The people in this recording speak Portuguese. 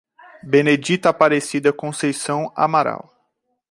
Benedita Aparecida Conceição Amaral